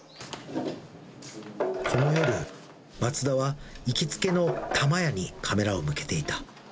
この夜、松田は行きつけの玉やにカメラを向けていた。